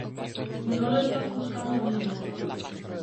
No lo estas buscando bien.